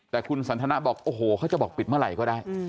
แต่คุณสันทนาบอกโอ้โหเขาจะบอกปิดเมื่อไหร่ก็ได้